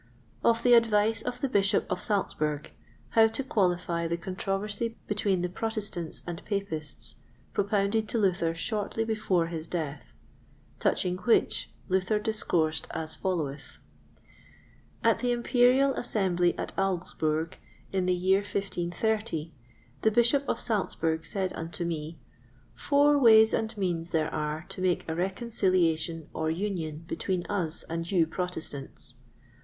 Of the Advice of the Bishop of Salzburg, how to qualify the Controversy between the Protestants and Papists, propounded to Luther shortly before his Death; touching which, Luther discoursed as followeth: At the Imperial Assembly at Augsburg, in the year 1530, the Bishop of Salzburg said unto me, "Four ways and means there are to make a reconciliation or union between us and you Protestants.